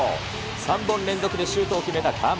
３本連続でシュートを決めた河村。